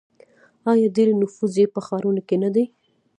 آیا ډیری نفوس یې په ښارونو کې نه دی؟